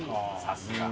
・さすが。